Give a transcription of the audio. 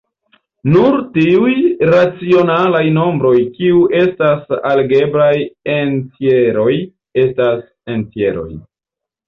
Nur tiuj racionalaj nombroj kiu estas algebraj entjeroj estas entjeroj.